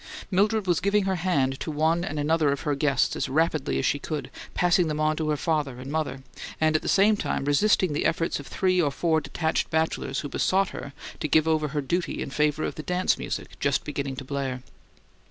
Mildred was giving her hand to one and another of her guests as rapidly as she could, passing them on to her father and mother, and at the same time resisting the efforts of three or four detached bachelors who besought her to give over her duty in favour of the dance music just beginning to blare.